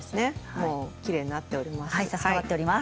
もうきれいになっております。